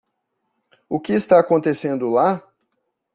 O que está acontecendo lá?